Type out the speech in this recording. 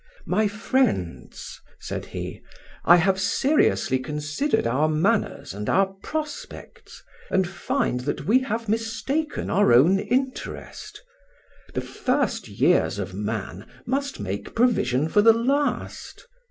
"My friends," said he, "I have seriously considered our manners and our prospects, and find that we have mistaken our own interest. The first years of man must make provision for the last.